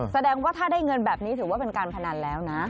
แสดงว่าถ้าได้เงินแบบนี้ถือว่าเป็นการพนันแล้วนะ